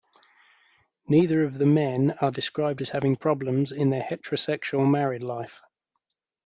Neither of the men are described as having problems in their heterosexual married life.